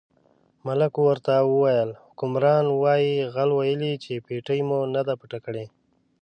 ملک ورته وویل حکمران وایي غل ویلي چې پېټۍ مو نه ده پټه کړې.